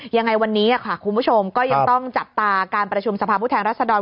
ยังไงวันนี้ค่ะคุณผู้ชมก็ยังต้องจับตาการประชุมสภาพผู้แทนรัศดร